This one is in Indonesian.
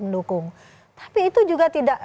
mendukung tapi itu juga tidak